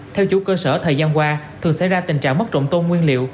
theo chủ cơ sở thời gian qua thường xảy ra tình trạng mất trộm tôn nguyên liệu